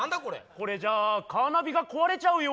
これじゃカーナビが壊れちゃうよ。